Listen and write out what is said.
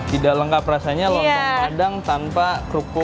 tidak lengkap rasanya lontong padang tanpa kerupuk